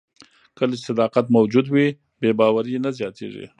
کله چې صداقت موجود وي، بې باوري نه زیاتیږي.